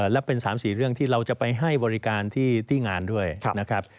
และเป็น๓๔เรื่องที่เราจะไปให้บริการที่งานด้วยนะครับ